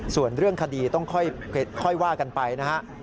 ส่วนเรื่องคดีต้องค่อยว่ากันไปนะฮะ